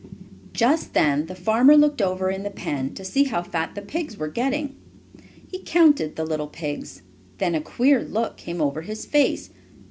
Just then the farmer looked over in the pen to see how fat the pigs were getting. He counted the little pigs. Then a queer look came over his face.